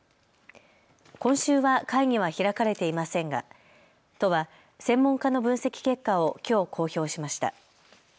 今週は会議は開かれていませんが都は専門家の分析結果をきょう公表しました。